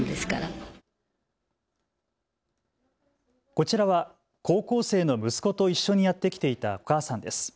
こちらは高校生の息子と一緒にやって来ていたお母さんです。